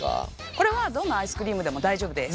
これはどんなアイスクリームでも大丈夫です。